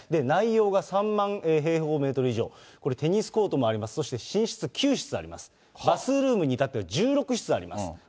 内容が３万平方メートル以上、これ、テニスコートもあります、そして寝室９室あります、バスルームに至っては１６室あります。